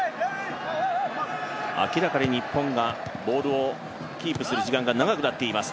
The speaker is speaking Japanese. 明らかに日本がボールをキープする時間が長くなっています